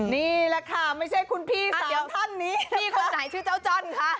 นี่แหละค่ะไม่ใช่คุณพี่สามท่านนี้พี่คนไหนชื่อเจ้าจ้อนค่ะ